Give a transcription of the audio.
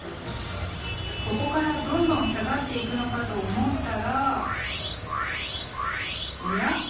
ここからどんどん下がっていくのかと思ったらおや？